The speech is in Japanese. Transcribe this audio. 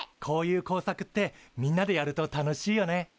こういう工作ってみんなでやると楽しいよね。